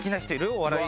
お笑い。